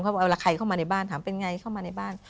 พอเอาละใครเข้ามาในบ้านถามเป็นไงเข้ามาในบ้าน